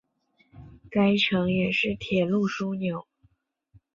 该城也是铁路枢纽。